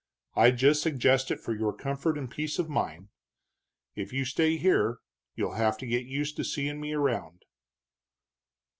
I just suggest it for your comfort and peace of mind. If you stay here you'll have to get used to seeing me around."